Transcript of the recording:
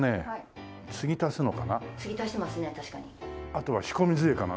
あとは仕込み杖かな？